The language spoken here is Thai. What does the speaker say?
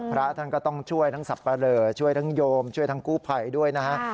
พระท่านก็ต้องช่วยทั้งสับปะเหลอช่วยทั้งโยมช่วยทั้งกู้ภัยด้วยนะฮะ